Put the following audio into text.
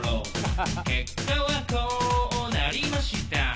「結果はこうなりました」